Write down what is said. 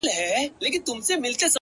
يوه شار ته دې د سرو سونډو زکات ولېږه!!